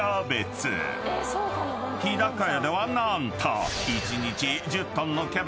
［日高屋では何と］